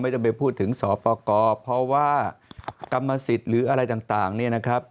ต้องไปพูดถึงสปกรเพราะว่ากรรมสิทธิ์หรืออะไรต่างเนี่ยนะครับ